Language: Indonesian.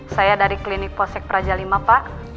saya dari klinik polsek praja v pak